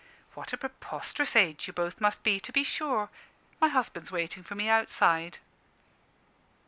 "What a preposterous age you both must be, to be sure! My husband's waiting for me outside."